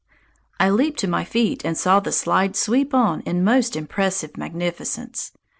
I leaped to my feet and saw the slide sweep on in most impressive magnificence.